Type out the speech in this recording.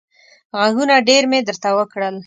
غږونه ډېر مې درته وکړل.